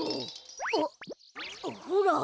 あっほら。